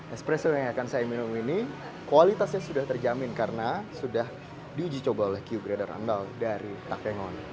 espresso yang akan saya minum ini kualitasnya sudah terjamin karena sudah diuji coba oleh q grader andal dari takengon